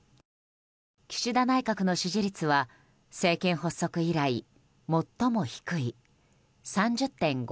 岸田内閣の支持率は政権発足以来最も低い３０．５％。